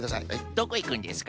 どこいくんですか？